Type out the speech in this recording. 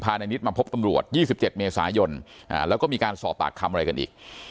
ในนิดมาพบตำรวจ๒๗เมษายนแล้วก็มีการสอบปากคำอะไรกันอีก